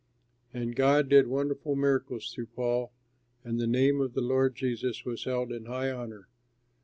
And God did wonderful miracles through Paul, and the name of the Lord Jesus was held in high honor.